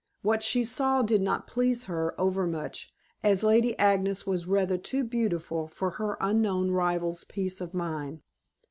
What she saw did not please her overmuch, as Lady Agnes was rather too beautiful for her unknown rival's peace of mind.